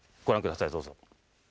ご覧下さいどうぞ。